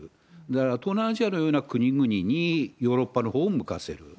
だから、東南アジアのような国々にヨーロッパのほうを向かせる。